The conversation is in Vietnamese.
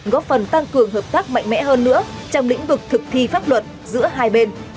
góp phần tăng cường hợp tác mạnh mẽ hơn nữa trong lĩnh vực thực thi pháp luật giữa hai bên